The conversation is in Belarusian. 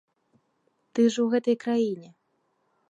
Ты ж у гэтай краіне.